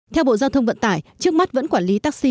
theo bộ giao thông vận tải trước mắt vẫn quản lý taxi